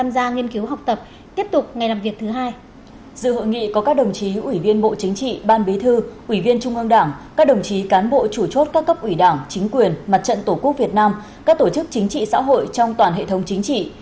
dự hội nghị có các đồng chí ủy viên bộ chính trị ban bí thư ủy viên trung ương đảng các đồng chí cán bộ chủ chốt các cấp ủy đảng chính quyền mặt trận tổ quốc việt nam các tổ chức chính trị xã hội trong toàn hệ thống chính trị